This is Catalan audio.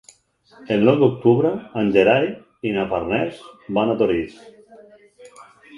El nou d'octubre en Gerai i na Farners van a Torís.